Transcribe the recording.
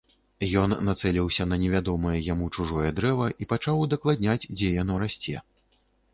Ён нацэліўся на невядомае яму чужое дрэва і пачаў удакладняць, дзе яно расце.